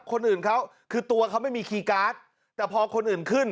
คนอื่นเขาคือตัวเขาไม่มีคีย์การ์ดแต่พอคนอื่นขึ้น